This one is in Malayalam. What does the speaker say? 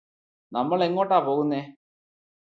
നമ്മളെങ്ങോട്ടാ പോകുന്നേ